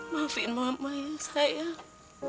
maafin mama ya sayang